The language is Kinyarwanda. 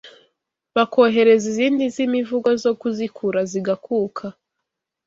bakohereza izindi z’imivugo zo kuzikura zigakuka